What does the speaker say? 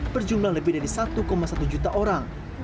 berjumlah lebih dari satu satu juta orang